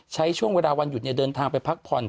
ใช้ช่วงเวลาวันหยุดเดินทางไปพักผ่อน